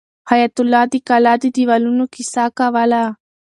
حیات الله د کلا د دیوالونو کیسه کوله.